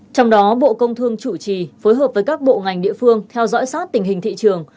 trong đó bộ công thương chủ trì phối hợp với các bộ ngành địa phương theo dõi sát tình hình thị trường